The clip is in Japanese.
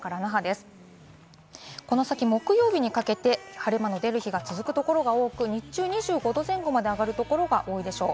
この先、木曜日にかけて晴れ間の出る日が続くところが多く、日中は２５度前後まで上がるところが多いでしょう。